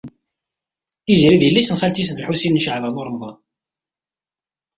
Tiziri d yelli-s n xalti-s n Lḥusin n Caɛban u Ṛemḍan.